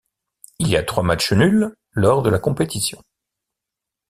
Il y a trois match nul lors de la compétition.